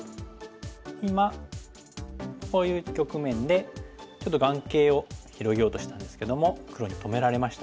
今こういう局面でちょっと眼形を広げようとしたんですけども黒に止められました。